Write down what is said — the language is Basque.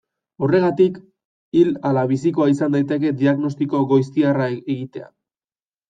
Horregatik, hil ala bizikoa izan daiteke diagnostiko goiztiarra egitea.